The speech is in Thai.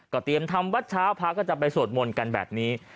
เตรียมทำวัดเช้าพระก็จะไปสวดมนต์กันแบบนี้